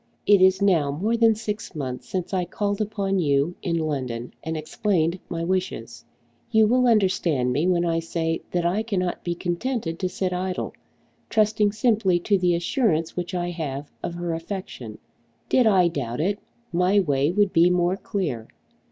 It is now more than six months since I called upon you in London and explained my wishes. You will understand me when I say that I cannot be contented to sit idle, trusting simply to the assurance which I have of her affection. Did I doubt it, my way would be more clear.